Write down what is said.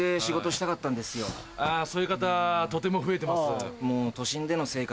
あそういう方とても増えてます。